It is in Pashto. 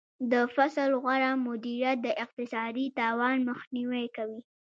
د فصل غوره مدیریت د اقتصادي تاوان مخنیوی کوي.